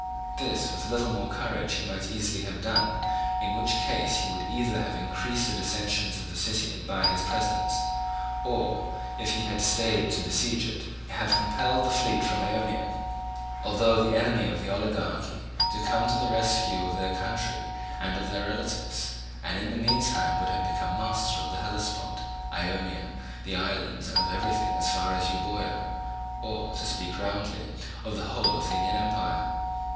This, with a little more courage, he might easily have done, in which case he would either have increased the dissensions of the city by his presence, or, if he had stayed to besiege it, have compelled the fleet from Ionia, although the enemy of the oligarchy, to come to the rescue of their country and of their relatives, and in the meantime would have become master of the Hellespont, Ionia, the islands, and of everything as far as Euboea, or, to speak roundly, of the whole Athenian empire.